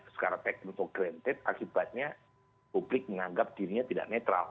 secara technical granted akibatnya publik menganggap dirinya tidak netral